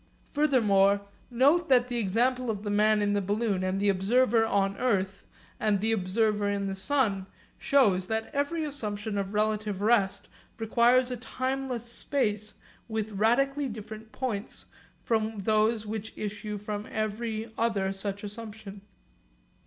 Furthermore note that the example of the man in the balloon, the observer on earth, and the observer in the sun, shows that every assumption of relative rest requires a timeless space with radically different points from those which issue from every other such assumption.